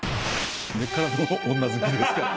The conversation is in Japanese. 根っからの女好きですから。